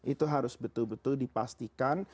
itu harus betul betul dipastikan